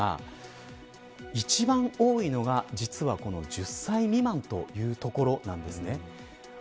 一番多いのが１０歳未満というところです。